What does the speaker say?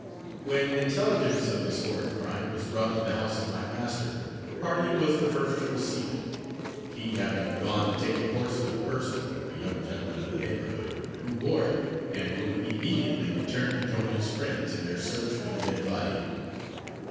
When intelligence of this horrid crime was brought to the house of my master, Hardy was the first to receive it; he having gone to take the horse of the person a young gentleman of the neighborhood who bore it, and who immediately returned to join his friends in their search for the dead body.